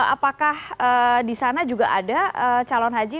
apakah di sana juga ada calon haji